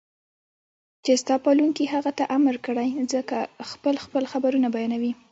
چې ستا پالونکي هغې ته امر کړی زکه خپل خپل خبرونه بيانوي